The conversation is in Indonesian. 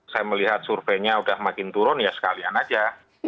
saya melihat surveinya sudah makin turun ya sekalian aja